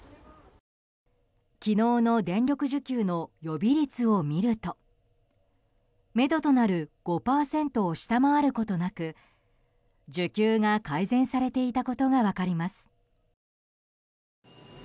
昨日の電力需給の予備率を見るとめどとなる５％を下回ることなく需給が改善されていたことが分かります。